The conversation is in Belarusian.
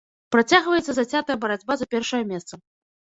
Працягваецца зацятая барацьба за першае месца.